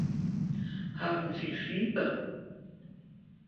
Haben Sie Fieber?